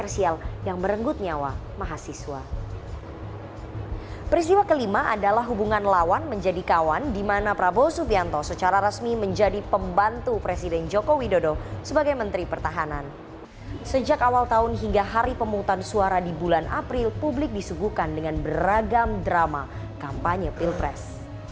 sejak awal tahun hingga hari pemungutan suara di bulan april publik disuguhkan dengan beragam drama kampanye pilpres